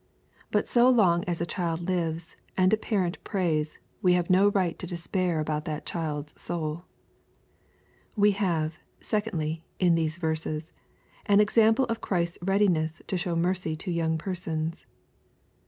But so long as a child lives, and a parent prays, we have no right to despair about that child's soul. We have, secondly, in these verses, an eccample of Christ s readiness to show mercy to young persons.